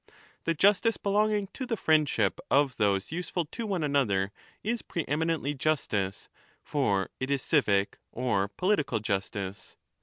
The justice belonging to the friendship of those useful to one another is pre eminently justice, for it is civic or political justice.